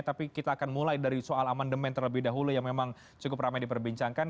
tapi kita akan mulai dari soal amandemen terlebih dahulu yang memang cukup ramai diperbincangkan